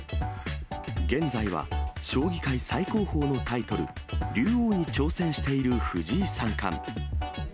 現在は将棋界最高峰のタイトル、竜王に挑戦している藤井三冠。